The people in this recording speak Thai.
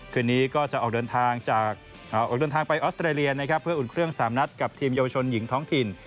คืนนี้ก็จะออกเดินทางไปออสเตรเลียเพื่ออุดเครื่องสามนัดกับทีมเยาวชนหญิงท้องถิ่น